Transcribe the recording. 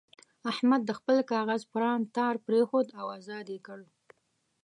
احمد د خپل کاغذ پران تار پرېښود او ازاد یې کړ.